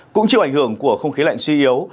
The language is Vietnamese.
cũng chịu ảnh hưởng của không khí lạnh suy yếu